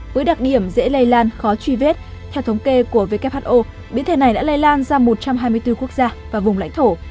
với đặc điểm dễ lây lan khó truy vết theo thống kê của who biến thể này đã lây lan ra một trăm hai mươi bốn quốc gia và vùng lãnh thổ